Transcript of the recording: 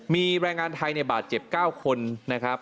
มีแรงงานไทยในบาดเจ็บ๙คนนะครับ